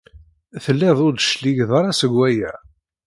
Telliḍ ur d-tecligeḍ ara seg waya.